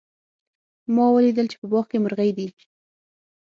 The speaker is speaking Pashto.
ما ولیدل چې په باغ کې مرغۍ دي